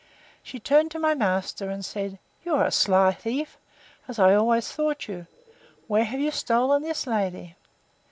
She turned to my master, and said, You are a sly thief, as I always thought you. Where have you stolen this lady?